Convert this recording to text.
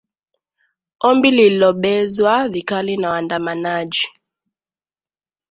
ombi lilobezwa vikali na waandamanaji